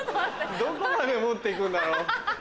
どこまで持ってくんだろ。